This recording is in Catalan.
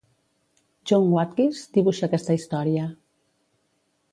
John Watkiss dibuixa aquesta història.